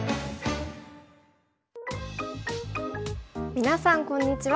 皆さんこんにちは。